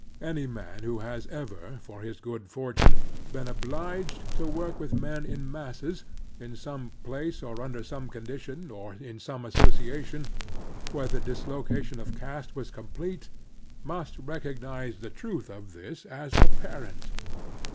Any man who has ever, for his good fortune, been obliged to work with men in masses, in some place or under some condition or in some association where the dislocation of caste was com plete, must recognize the truth of this as apparent.